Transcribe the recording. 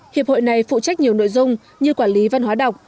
hiệp hội này phụ trách nhiều nội dung như quản lý văn hóa đọc